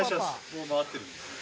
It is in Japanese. もう回ってるんですね。